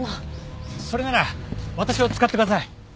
それなら私を使ってください。